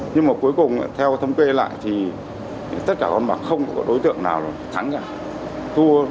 nhưng mà cuối cùng theo thống kê lại thì tất cả con bạc không có đối tượng nào là thắng cả thua